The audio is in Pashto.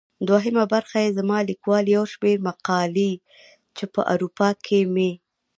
دوهمه برخه يې زما ليکوال يو شمېر مقالې چي په اروپا کې مي.